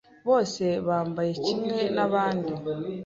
Bose bambaye kimwe nabandi